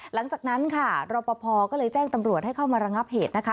หลังจากนั้นค่ะรอปภก็เลยแจ้งตำรวจให้เข้ามาระงับเหตุนะคะ